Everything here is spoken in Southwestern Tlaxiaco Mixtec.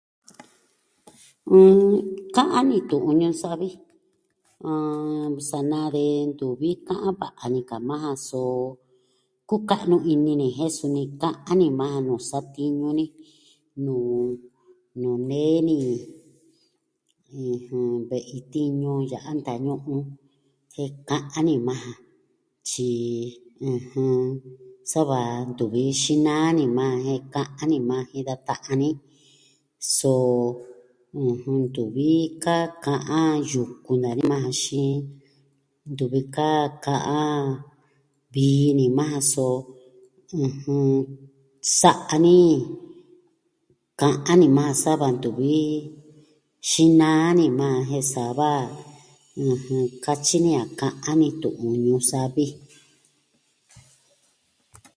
Ka'an ni tu'un ñuu savi, ɨn... sa na de ntuvi ka'an va'a ni ka majan so, kuka'nu ini ni jen suni ka'an ni majan nuu satiñu ni, nuu, nuu nee ni, ve'i tiñu ya'a ntañu'un, jen ka'an ni majan, tyi, ɨjɨn, sava ntuvi xinaa ni majan jen ka'an ni majan jin da ta'an ni, so, ntuvi ka ka'an yukun naa ni maja xiin. Ntuvi ka ka'an vii ni majan, so sa'a ni, ka'an ni majan sa va ntuvi xinaa ni majan jen sava, ɨjɨn, katyi ni a ka'an ni tu'un Ñuu Savi